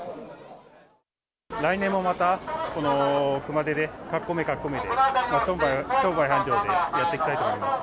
来年もまた、この熊手で、かき込めかき込めで、商売繁盛でやっていきたいと思います。